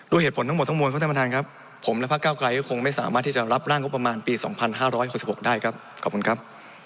เหตุผลทั้งหมดทั้งมวลครับท่านประธานครับผมและพระเก้าไกรก็คงไม่สามารถที่จะรับร่างงบประมาณปี๒๕๖๖ได้ครับขอบคุณครับ